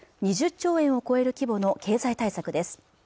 ２０兆円を超える規模の経済対策です